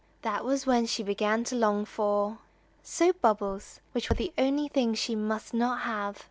That was when she began to long for soap bubbles, which were the only things she must not have.